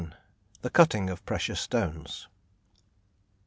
THE CUTTING OF PRECIOUS STONES.